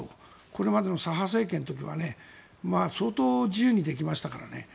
これまでの左派政権の時は相当自由にできましたからね。